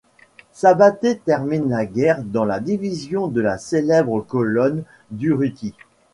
Sabaté termine la guerre dans la Division de la célèbre Colonne Durruti.